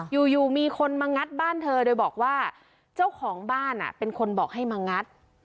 อยู่อยู่มีคนมางัดบ้านเธอโดยบอกว่าเจ้าของบ้านเป็นคนบอกให้มางัด